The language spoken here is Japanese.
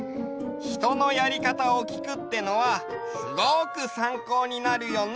ひとのやりかたをきくってのはすごくさんこうになるよね！